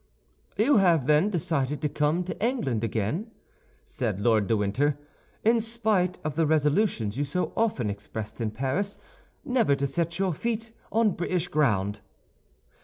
"You have, then, decided to come to England again," said Lord de Winter, "in spite of the resolutions you so often expressed in Paris never to set your feet on British ground?"